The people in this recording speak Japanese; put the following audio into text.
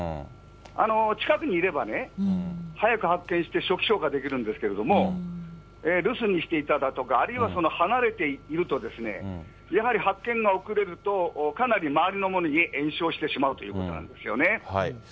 近くにいれば、早く発見して初期消火できるんですけれども、留守にしていただとか、あるいは離れていると、やはり発見が遅れると、かなり周りのものに延焼してしまうということなんですよね。